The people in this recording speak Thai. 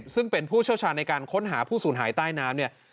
ซึ่งเป็นผู้เชี่ยวชาญในการค้นหาผู้สูญหายใต้น้ำเนี่ย